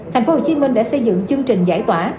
tp hcm đã xây dựng chương trình giải tỏa